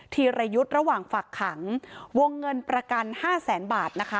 ทีระยุทธ์ระหว่างฝักขังวงเงินประกัน๕แสนบาท